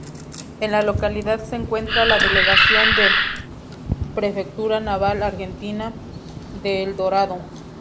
En la localidad se encuentra la delegación de Prefectura Naval Argentina de Eldorado.